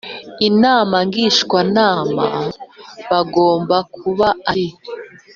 Inama Ngishwanama bagomba kuba ari